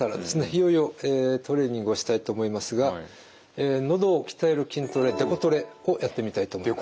いよいよトレーニングをしたいと思いますがのどを鍛える筋トレデコトレをやってみたいと思います。